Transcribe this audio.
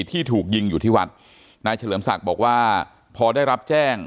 ที่ถูกยิงอยู่ที่วัดนายเฉลิมศักดิ์บอกว่าพอได้รับแจ้ง